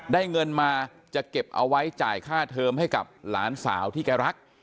เงินมาจะเก็บเอาไว้จ่ายค่าเทอมให้กับหลานสาวที่แกรัก